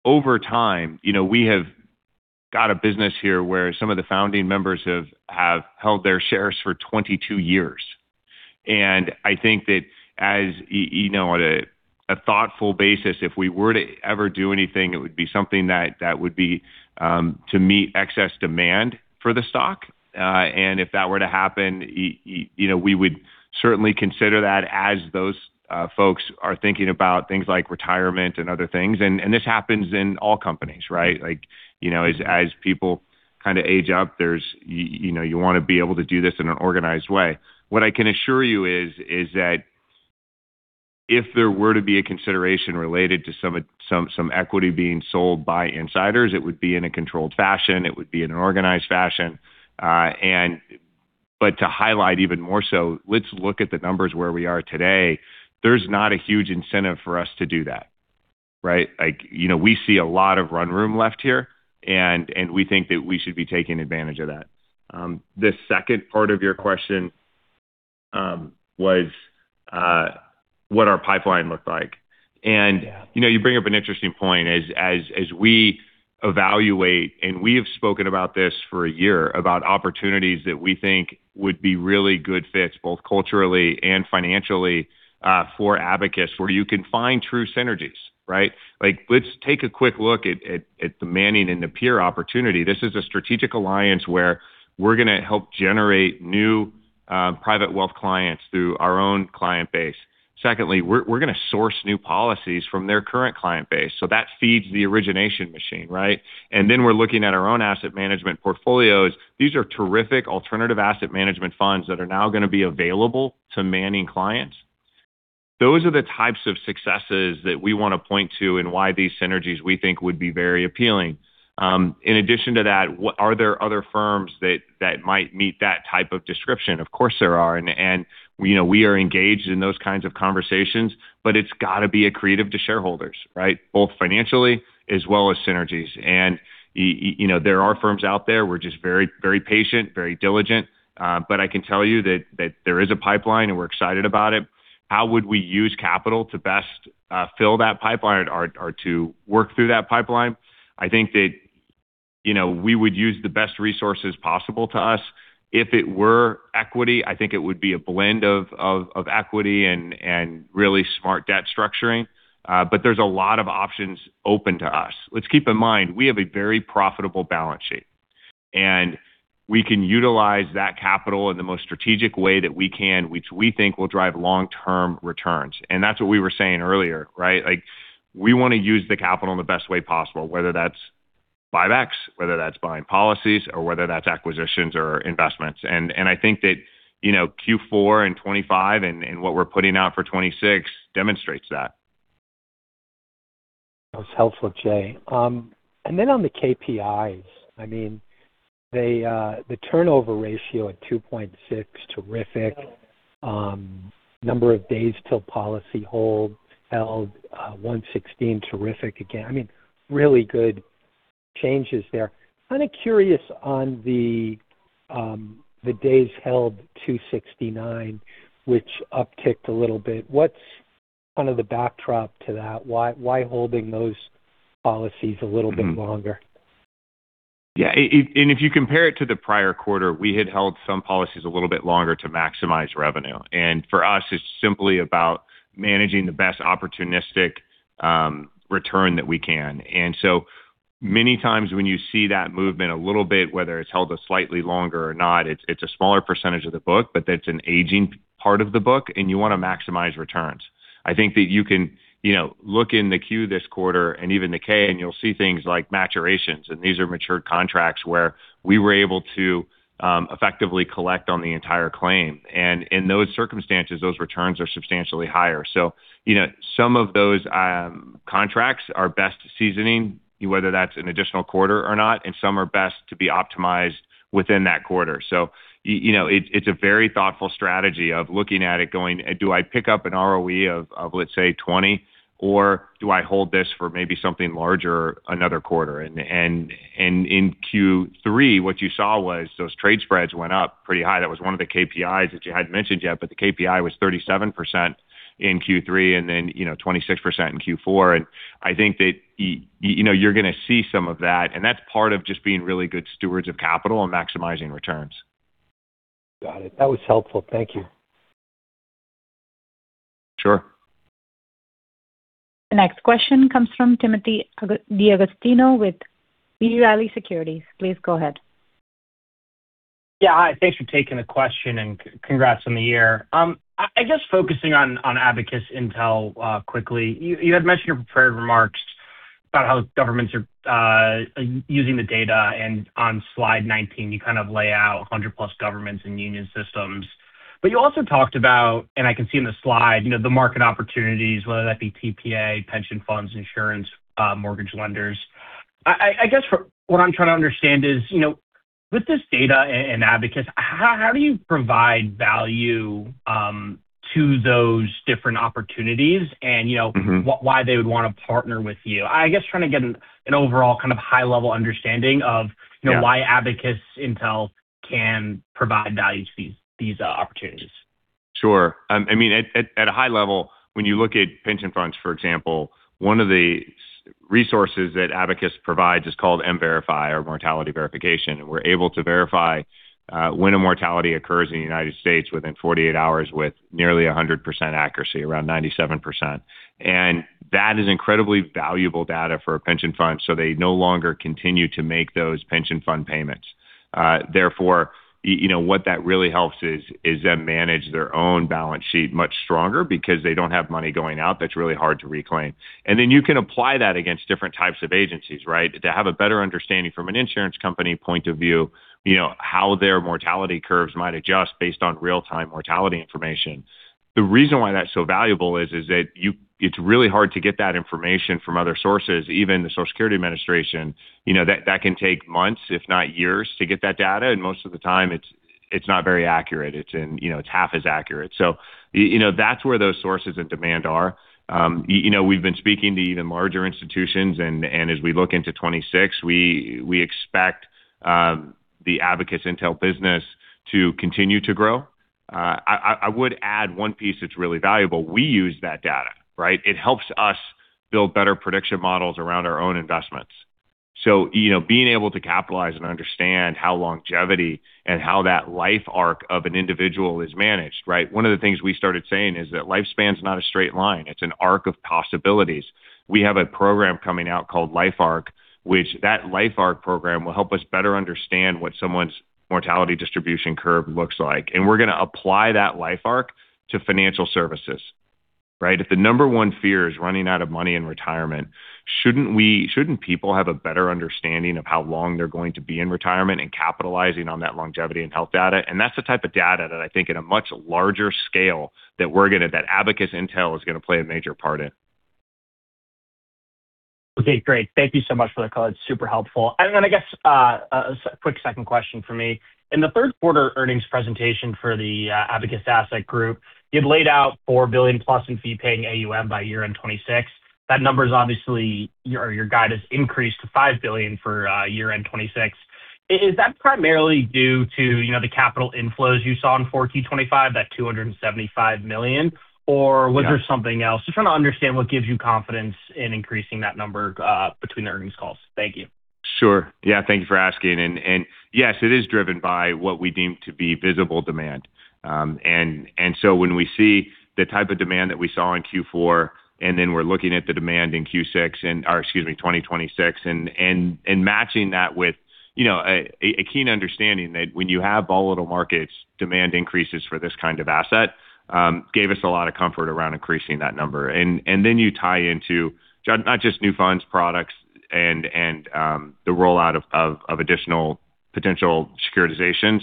over time, you know, we have got a business here where some of the founding members have held their shares for 22 years. I think that as you know, at a thoughtful basis, if we were to ever do anything, it would be something that would be to meet excess demand for the stock. If that were to happen, you know, we would certainly consider that as those folks are thinking about things like retirement and other things. This happens in all companies, right? Like, you know, as people kinda age up, you know, you wanna be able to do this in an organized way. What I can assure you is that if there were to be a consideration related to some equity being sold by insiders, it would be in a controlled fashion. It would be in an organized fashion. But to highlight even more so, let's look at the numbers where we are today. There's not a huge incentive for us to do that, right? Like, you know, we see a lot of run room left here, and we think that we should be taking advantage of that. The second part of your question was what our pipeline looked like. You know, you bring up an interesting point as we evaluate, and we have spoken about this for a year, about opportunities that we think would be really good fits, both culturally and financially, for Abacus, where you can find true synergies, right? Like let's take a quick look at the Manning & Napier opportunity. This is a strategic alliance where we're gonna help generate new private wealth clients through our own client base. Secondly, we're gonna source new policies from their current client base. That feeds the origination machine, right? We're looking at our own Asset Management portfolios. These are terrific alternative Asset Management funds that are now gonna be available to Manning & Napier clients. Those are the types of successes that we wanna point to and why these synergies we think would be very appealing. In addition to that, are there other firms that that might meet that type of description? Of course, there are. You know, we are engaged in those kinds of conversations, but it's gotta be accretive to shareholders, right? Both financially as well as synergies. You know, there are firms out there. We're just very patient, very diligent, but I can tell you that that there is a pipeline, and we're excited about it. How would we use capital to best fill that pipeline or to work through that pipeline? I think that, you know, we would use the best resources possible to us. If it were equity, I think it would be a blend of equity and really smart debt structuring. But there's a lot of options open to us. Let's keep in mind, we have a very profitable balance sheet, and we can utilize that capital in the most strategic way that we can, which we think will drive long-term returns. That's what we were saying earlier, right? Like we wanna use the capital in the best way possible, whether that's buybacks, whether that's buying policies or whether that's acquisitions or investments. I think that, you know, Q4 in 2025 and what we're putting out for 2026 demonstrates that. That was helpful, Jay. On the KPIs, I mean, the turnover ratio at 2.6, terrific. Number of days till policy held, 116, terrific again. I mean, really good changes there. Kind of curious on the days held 269, which upticked a little bit. What's kind of the backdrop to that? Why holding those policies a little bit longer? Yeah. If you compare it to the prior quarter, we had held some policies a little bit longer to maximize revenue. For us, it's simply about managing the best opportunistic return that we can. Many times when you see that movement a little bit, whether it's held slightly longer or not, it's a smaller percentage of the book, but that's an aging part of the book, and you want to maximize returns. I think that you can, you know, look in the 10-Q this quarter and even the 10-K, and you'll see things like maturations. These are matured contracts where we were able to effectively collect on the entire claim. In those circumstances, those returns are substantially higher. You know, some of those contracts are best seasoning, whether that's an additional quarter or not, and some are best to be optimized within that quarter. You know, it's a very thoughtful strategy of looking at it going, "Do I pick up an ROE of, let's say 20, or do I hold this for maybe something larger another quarter?" In Q3, what you saw was those trade spreads went up pretty high. That was one of the KPIs that you hadn't mentioned yet, but the KPI was 37% in Q3 and then, you know, 26% in Q4. I think that you know, you're going to see some of that, and that's part of just being really good stewards of capital and maximizing returns. Got it. That was helpful. Thank you. Sure. The next question comes from Timothy D'Agostino with B. Riley Securities. Please go ahead. Yeah. Hi. Thanks for taking the question and congrats on the year. I guess focusing on ABL Tech quickly. You had mentioned your prepared remarks about how governments are using the data, and on slide 19, you kind of lay out 100+ governments and union systems. You also talked about, and I can see in the slide, you know, the market opportunities, whether that be TPA, pension funds, insurance, mortgage lenders. I guess what I'm trying to understand is, you know, with this data and Abacus, how do you provide value to those different opportunities and, you know- Mm-hmm. Why they would want to partner with you? I guess trying to get an overall kind of high-level understanding of- Yeah. Why ABL Tech can provide value to these opportunities? Sure. I mean, at a high level, when you look at pension funds, for example, one of the resources that Abacus provides is called MVerify or mortality verification. We're able to verify when a mortality occurs in the United States within 48 hours with nearly 100% accuracy, around 97%. That is incredibly valuable data for a pension fund, so they no longer continue to make those pension fund payments. Therefore, you know, what that really helps is them manage their own balance sheet much stronger because they don't have money going out that's really hard to reclaim. You can apply that against different types of agencies, right? To have a better understanding from an insurance company point of view, you know, how their mortality curves might adjust based on real-time mortality information. The reason why that's so valuable is that it's really hard to get that information from other sources, even the Social Security Administration. You know, that can take months, if not years, to get that data. Most of the time it's not very accurate. You know, it's half as accurate. You know, that's where those sources of demand are. You know, we've been speaking to even larger institutions, and as we look into 2026, we expect the Abacus Intel business to continue to grow. I would add one piece that's really valuable. We use that data, right? It helps us build better prediction models around our own investments. You know, being able to capitalize and understand how longevity and how that LifeARC of an individual is managed, right? One of the things we started saying is that lifespan is not a straight line, it's an arc of possibilities. We have a program coming out called LifeARC, which LifeARC program will help us better understand what someone's mortality distribution curve looks like. We're going to apply that LifeARC to financial services, right? If the number one fear is running out of money in retirement, shouldn't people have a better understanding of how long they're going to be in retirement and capitalizing on that longevity and health data? That's the type of data that I think in a much larger scale that Abacus is going to play a major part in. Okay, great. Thank you so much for the call. It's super helpful. I guess quick second question for me. In the third quarter earnings presentation for the Abacus Asset Group, you'd laid out $4 billion+ in fee paying AUM by year-end 2026. That number is obviously or your guide has increased to $5 billion for year-end 2026. Is that primarily due to, you know, the capital inflows you saw in Q4 2025, that $275 million? Was there something else? Just trying to understand what gives you confidence in increasing that number between the earnings calls. Thank you. Sure. Yeah, thank you for asking. Yes, it is driven by what we deem to be visible demand. When we see the type of demand that we saw in Q4, and then we're looking at the demand in Q6, or excuse me, 2026, and matching that with you know, a keen understanding that when you have volatile markets, demand increases for this kind of asset, gave us a lot of comfort around increasing that number. Then you tie into not just new funds products and the rollout of additional potential securitizations,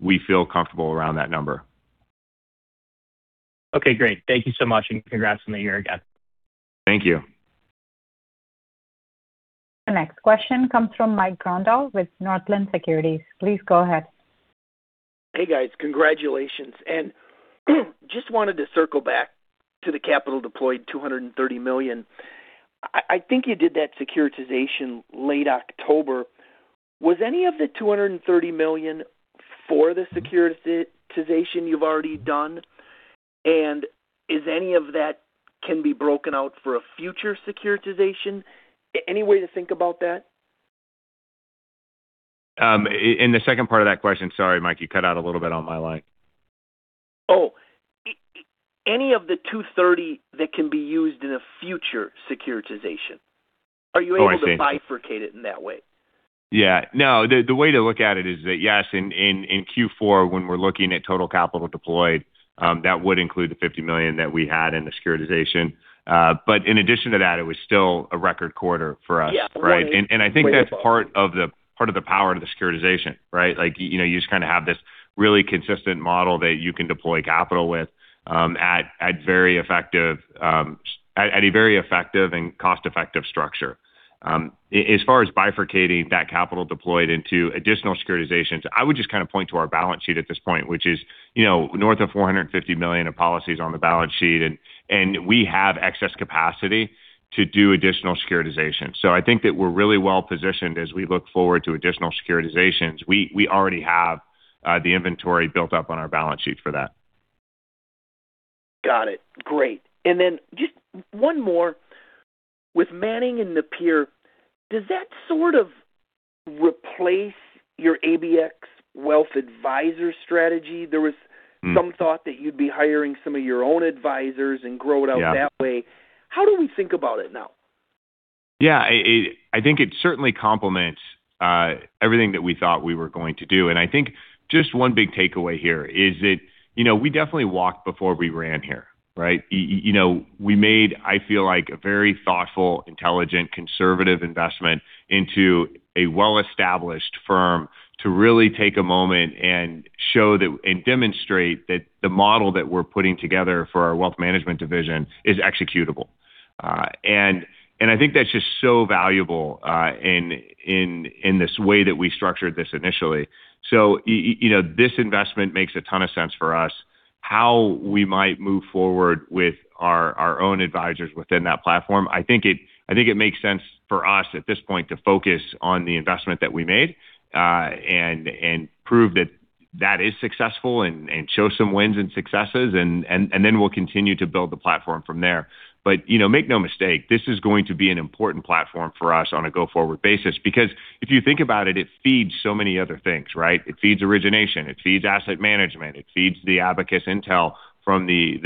we feel comfortable around that number. Okay, great. Thank you so much, and congrats on the year again. Thank you. The next question comes from Mike Grondahl with Northland Securities. Please go ahead. Hey, guys. Congratulations. Just wanted to circle back to the capital deployed, $230 million. I think you did that securitization late October. Was any of the $230 million for the securitization you've already done? Is any of that can be broken out for a future securitization? Any way to think about that? The second part of that question. Sorry, Mike, you cut out a little bit on my line. Any of the $230 million that can be used in a future securitization. Oh, I see. Are you able to bifurcate it in that way? Yeah. No. The way to look at it is that, yes, in Q4, when we're looking at total capital deployed, that would include the $50 million that we had in the securitization. In addition to that, it was still a record quarter for us, right? Yeah. I think that's part of the power of the securitization, right? Like, you know, you just kinda have this really consistent model that you can deploy capital with, at a very effective and cost-effective structure. As far as bifurcating that capital deployed into additional securitizations, I would just kinda point to our balance sheet at this point, which is, you know, north of 450 million policies on the balance sheet and we have excess capacity to do additional securitization. I think that we're really well-positioned as we look forward to additional securitizations. We already have the inventory built up on our balance sheet for that. Got it. Great. Just one more. With Manning & Napier, does that sort of replace your Abacus Wealth Advisors strategy? Mm. There was some thought that you'd be hiring some of your own advisors and grow it out that way. Yeah. How do we think about it now? Yeah. I think it certainly complements everything that we thought we were going to do. I think just one big takeaway here is that, you know, we definitely walked before we ran here, right? You know, we made, I feel like, a very thoughtful, intelligent, conservative investment into a well-established firm to really take a moment and show that and demonstrate that the model that we're putting together for our Wealth Management division is executable. And I think that's just so valuable in this way that we structured this initially. You know, this investment makes a ton of sense for us. How we might move forward with our own advisors within that platform, I think it makes sense for us at this point to focus on the investment that we made, and prove that is successful, and then we'll continue to build the platform from there. You know, make no mistake, this is going to be an important platform for us on a go-forward basis. Because if you think about it feeds so many other things, right? It feeds origination, it feeds Asset Management, it feeds the ABL Tech from the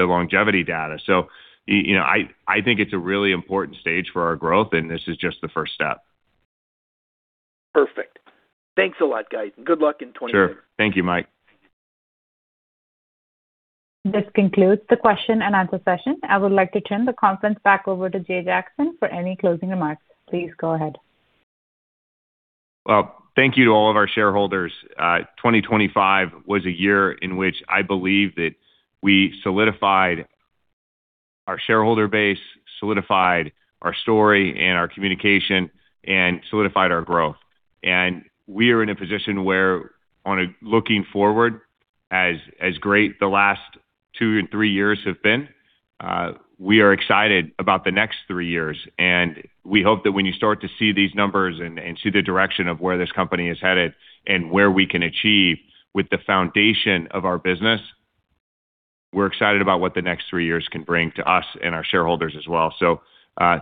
longevity data. So, you know, I think it's a really important stage for our growth, and this is just the first step. Perfect. Thanks a lot, guys. Good luck in 2025. Sure. Thank you, Mike. This concludes the question-and-answer session. I would like to turn the conference back over to Jay Jackson for any closing remarks. Please go ahead. Well, thank you to all of our shareholders. 2025 was a year in which I believe that we solidified our shareholder base, solidified our story and our communication, and solidified our growth. We are in a position where looking forward, as great the last two and three years have been, we are excited about the next three years. We hope that when you start to see these numbers and see the direction of where this company is headed and where we can achieve with the foundation of our business, we're excited about what the next three years can bring to us and our shareholders as well.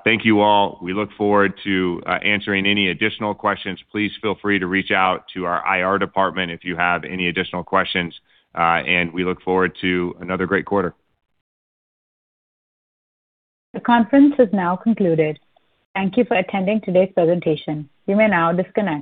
Thank you all. We look forward to answering any additional questions. Please feel free to reach out to our IR department if you have any additional questions. We look forward to another great quarter. The conference has now concluded. Thank you for attending today's presentation. You may now disconnect.